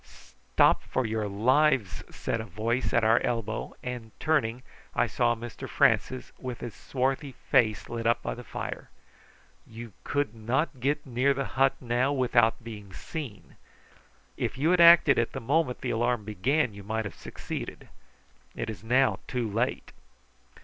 "Stop for your lives!" said a voice at our elbow, and turning I saw Mr Francis, with his swarthy face lit up by the fire. "You could not get near the hut now without being seen. If you had acted at the moment the alarm began you might have succeeded. It is now too late."